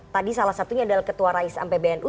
tadi salah satunya adalah ketua rais ampe pbnu